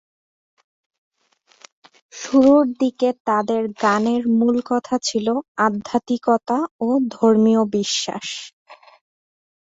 শুরুর দিকে তাদের গানের মূল কথা ছিল আধ্যাত্মিকতা ও ধর্মীয় বিশ্বাস।